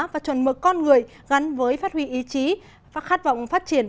và chuẩn mực con người gắn với phát huy ý chí khát vọng phát triển